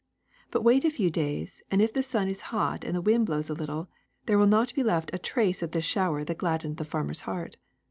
But wait a few days and if the sun is hot and the wind blows a little, there will not be left a trace of this shower that gladdened the farmer's heart.